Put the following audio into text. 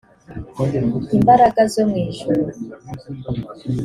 imbaraga zo mu ijuru